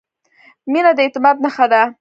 • مینه د اعتماد نښه ده.